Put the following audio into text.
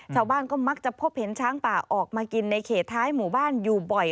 ชาวบ้านก็มักจะพบเห็นช้างป่าออกมากินในเขตท้ายหมู่บ้านอยู่บ่อย